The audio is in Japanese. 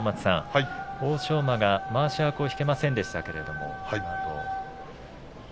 欧勝馬は、まわしは引けませんでしたけれど。